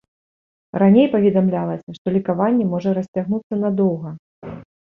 Раней паведамлялася, што лекаванне можа расцягнуцца надоўга.